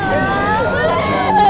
masa itu aku tinggal